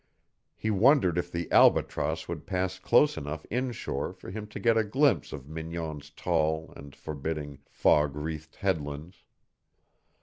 He wondered if the Albatross would pass close enough inshore for him to get a glimpse of Mignon's tall and forbidding fog wreathed headlands.